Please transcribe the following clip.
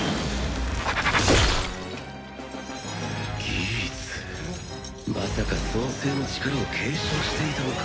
ギーツまさか創世の力を継承していたのか？